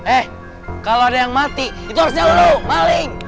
eh kalau ada yang mati itu harusnya dulu maling